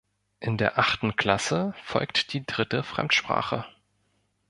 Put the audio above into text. In der achten Klasse folgt die dritte Fremdsprache.